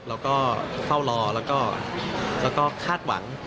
แล้วก็เฝ้ารอแล้วก็คาดหวัง